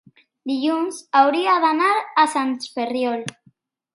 dilluns hauria d'anar a Sant Ferriol.